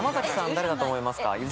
誰だと思いますか？